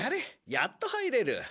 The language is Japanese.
やっと入れる。